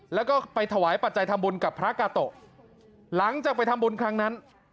แล้วก็ไปถวายปัจจัยทำบุญกับพระกาโตะหลังจากไปทำบุญครั้งนั้น